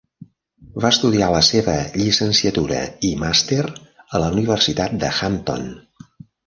Va estudiar la seva llicenciatura i màster a la Universitat de Hampton.